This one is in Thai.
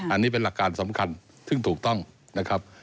อันนี้เป็นหลักการสำคัญซึ่งถูกต้องนะครับ